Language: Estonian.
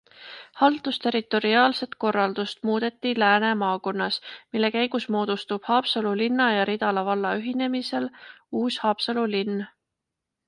Haldusterritoriaalset korraldust muudeti Lääne maakonnas, mille käigus moodustub Haapsalu linna ja Ridala valla ühinemisel uus Haapsalu linn.